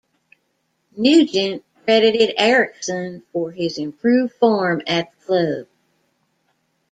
Nugent credited Eriksson for his improved form at the club.